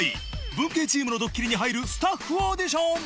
文系チームのドッキリに入るスタッフオーディション